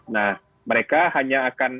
nah mereka hanya akan